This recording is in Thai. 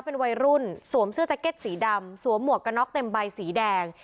เป็นวัยรุ่นสวมเสื้อแจ็คเก็ตสีดำสวมหมวกกระน็อกเต็มใบสีแดง